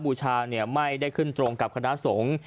บูชาไม่ได้ขึ้นตรงกับคณะสงฆ์